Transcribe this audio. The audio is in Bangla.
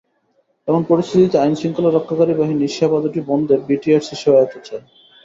এমন পরিস্থিতিতে আইনশৃঙ্খলা রক্ষাকারী বাহিনী সেবা দুটি বন্ধে বিটিআরসির সহায়তা চায়।